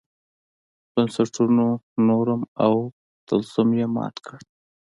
بنسټونو نورم او طلسم یې مات کړ.